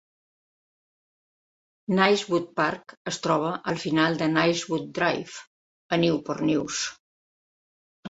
Nicewood Park es troba al final de Nicewood Drive a Newport News.